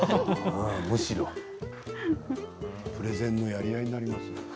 プレゼンのやり合いになりますね。